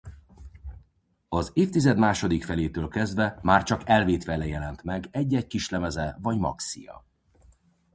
Az évtized második felétől kezdve már csak elvétve jelent meg egy-egy kislemeze vagy maxija.